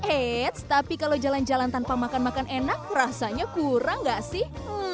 eits tapi kalau jalan jalan tanpa makan makan enak rasanya kurang gak sih